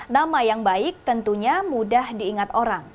nama yang baik tentunya mudah diingat orang